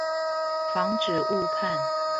防止誤判